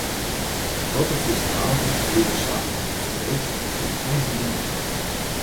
In protte Frysktaligen bliuwe sa analfabeet yn eigen memmetaal.